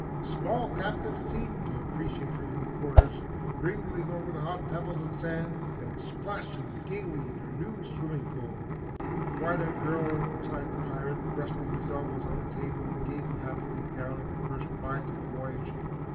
The small captive seemed to appreciate her new quarters, wriggling over the hot pebbles and sand, then splashing gaily in her swimming pool. "Quite a girl!" sighed the pirate, resting his elbows on the table and gazing happily down at the first prize of the voyage.